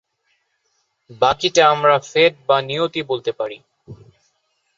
বাকিটা আমরা ফেট বা নিয়তি বলতে পারি।